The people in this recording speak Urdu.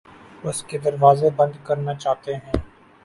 اس کے دروازے بند کرنا چاہتے ہیں